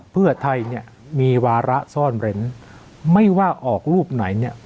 เพื่อไทยเนี่ยมีวาระซ่อนเร้นไม่ว่าออกรูปไหนเนี่ย